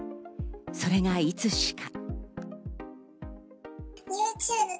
それがいつしか。